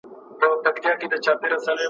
هره شپه د یوه بل خوب ته ورتللو ,